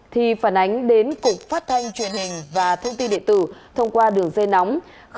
thì phản ánh đến cục phát thanh truyền hình và thông tin địa tử thông qua đường dây nóng